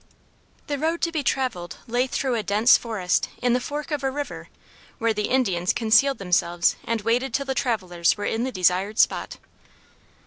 The road to be traveled lay through a dense forest in the fork of a river, where the Indians concealed themselves and waited till the travelers were in the desired spot.